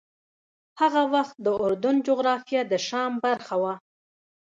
هغه وخت د اردن جغرافیه د شام برخه وه.